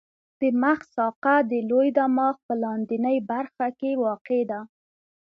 د مغز ساقه د لوی دماغ په لاندنۍ برخه کې واقع ده.